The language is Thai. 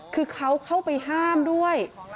คือเขาเข้าไปห้ามด้วย